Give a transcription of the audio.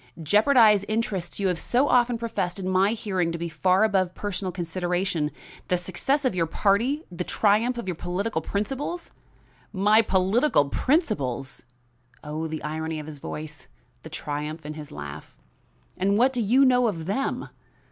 "Jeopardize interests you have so often professed in my hearing to be far above personal consideration the success of your party, the triumph of your political principles?" "My political principles!" Oh, the irony of his voice, the triumph in his laugh! "And what do you know of them?